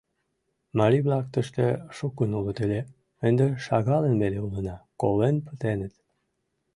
Марий-влак тыште шукын улыт ыле, ынде шагалын веле улына, колен пытеныт.